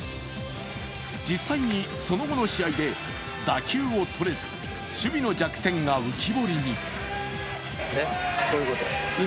実際にその後の試合で打球をとれず守備の弱点が浮き彫りに。